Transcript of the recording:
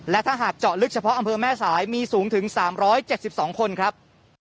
และถ้าหากเจาะลึกเฉพาะอำเภอแม่สายมีสูงถึง๓๗๒คนครับ